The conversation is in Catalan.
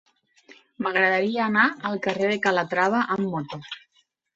M'agradaria anar al carrer de Calatrava amb moto.